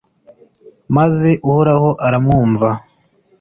maze uhoraho aramwumva